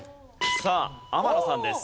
さあ天野さんです。